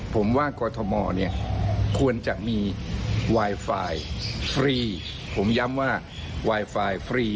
ผมว่ากรทมเนี่ยควรจะมีไวไฟฟรีผมย้ำว่าไวไฟฟรี